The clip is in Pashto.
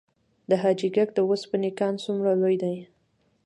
د حاجي ګک د وسپنې کان څومره لوی دی؟